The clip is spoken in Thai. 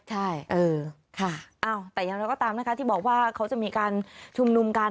ใช่เออค่ะแต่อย่างเราก็ตามนะคะที่บอกว่าเขาจะมีการชุมนุมกัน